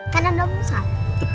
karena nda musaw